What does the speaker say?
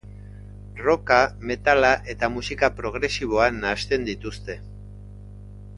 Rocka, metala eta musika progresiboa nahasten dituzte.